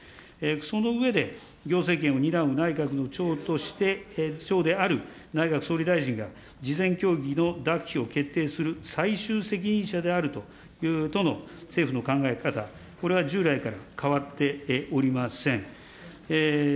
その上で、行政権を担う内閣の長として、長である内閣総理大臣が、事前協議の諾否を決定する最終責任者であるとの政府の考え方、これは従来から変わっておりません。